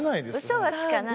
嘘はつかない。